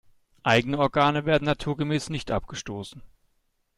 Eigene Organe werden naturgemäß nicht abgestoßen.